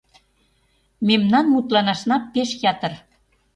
Мимнан мутланашна пеш ятыр.